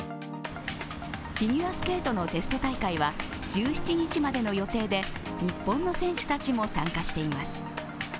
フィギュアスケートのテスト大会は１７日までの予定で日本の選手たちも参加しています。